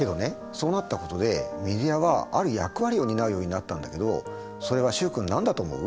そうなったことでメディアはある役割を担うようになったんだけどそれは習君何だと思う？